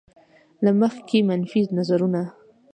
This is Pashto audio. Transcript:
له مخکې منفي نظرونه.